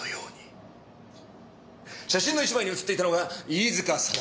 写真の１枚に写っていたのが飯塚早苗。